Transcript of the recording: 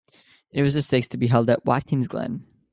It was the sixth to be held at Watkins Glen.